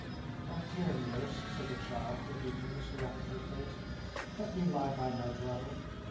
"Oh! dear nurse!" said the child, looking earnestly up in her face, "let me lie by my brother!"